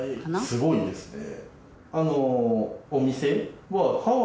すごいですね。